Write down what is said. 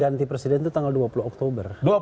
ganti presiden itu tanggal dua puluh oktober